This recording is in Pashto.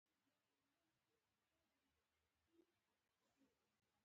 چې د هماغه پله له پاسه روان و.